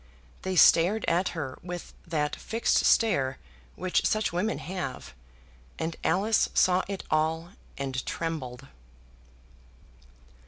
They stared at her with that fixed stare which such women have, and Alice saw it all, and trembled.